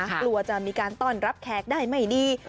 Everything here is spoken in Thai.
กลัวจะมีการต้อนรับแขกได้ไม่ดี